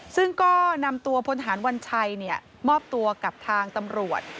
ซึ่งก็นำตัวพลฐานวัญชัยมอบตัวกับทางตำรวจ